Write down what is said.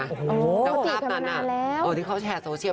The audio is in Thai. โอ้โฮจีบกันมานานแล้วแล้วภาพนั้นอ่ะที่เขาแชร์โซเชียล